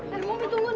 momi tunggu momi